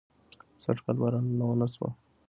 سږکال بارانونه ونه شو